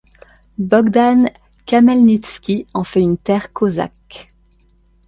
Bogdan Khmelnitski en fait une terre cosaque.